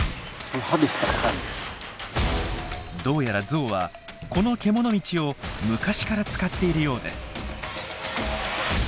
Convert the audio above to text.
どうやらゾウはこのけもの道を昔から使っているようです。